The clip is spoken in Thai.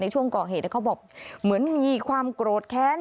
ช่วงก่อเหตุเขาบอกเหมือนมีความโกรธแค้น